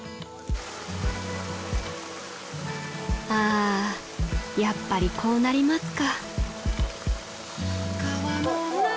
［あやっぱりこうなりますか］